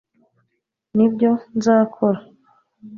nibyo nzakora